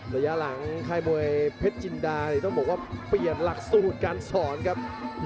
ระยะหลังค่ายมวยเพชรจินดานี่ต้องบอกว่าเปลี่ยนหลักสูตรการสอนครับ